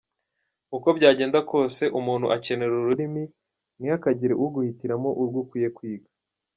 Ati “ Uko byagenda kose umuntu akenera ururimi, ntihakagire uguhitiramo urwo ukwiye kwiga.